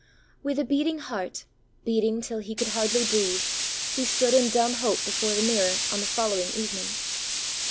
With a beating heart, beating till he could hardly breathe, he stood in dumb hope before the mirror, on the following evening.